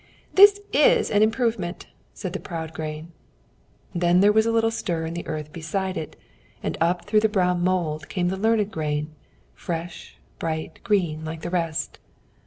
"This is an improvement," said the proud grain. Then there was a little stir in the earth beside it, and up through the brown mould came the learned grain, fresh, bright, green, like the rest.